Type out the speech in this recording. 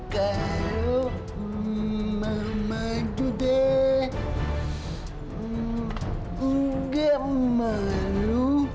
kalau mama sudah gak malu